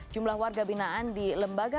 jumlah warga binaan di lembaga